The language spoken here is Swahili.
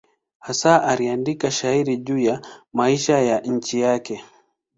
Hasa aliandika mashairi juu ya maisha ya nchi yake.